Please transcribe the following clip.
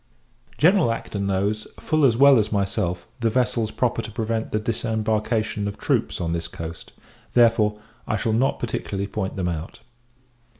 General [Acton] knows, full as well as myself, the vessels proper to prevent the disembarkation of troops on this coast; therefore, I shall not particularly point them out.